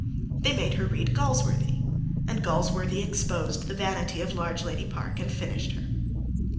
They made her read Galsworthy; and Galsworthy exposed the vanity of Largelady Park and finished her.